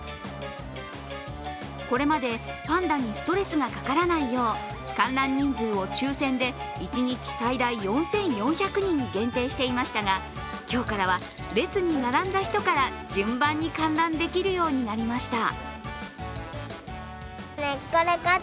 これまでパンダにストレスがかからないよう観覧人数を抽選で一日最大４４００人に限定していましたが、今日からは列に並んだ人から順番に観覧できるようになりました。